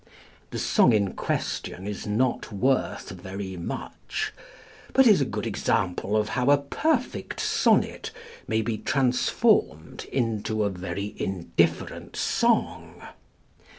The song in question is not worth very much, but is a good example of how a perfect sonnet may be transformed into a very indifferent song.